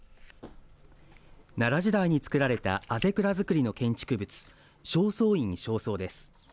奈良時代に造られた校倉造りの建築物正倉院正倉です。